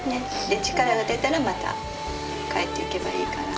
で力が出たらまた帰っていけばいいから。